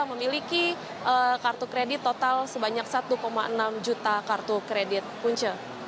memiliki kartu kredit total sebanyak satu enam juta kartu kredit punca